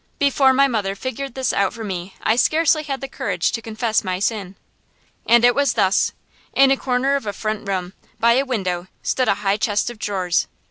Before my mother figured this out for me I scarcely had the courage to confess my sin. And it was thus: In a corner of a front room, by a window, stood a high chest of drawers.